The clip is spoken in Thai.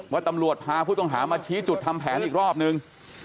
ว่าตำรวจพาผู้ต้องหามาชี้จุดทำแผนอีกรอบนึง